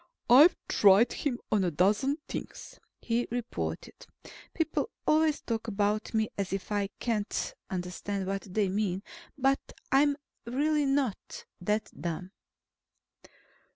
"I've tried him on a dozen things," he reported. People always talk about me as if I can't understand what they mean. But I'm really not that dumb.